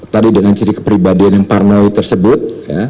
tadi dengan ciri kepribadian yang parnoi tersebut